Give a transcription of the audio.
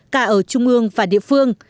cả ở trung ương và địa phương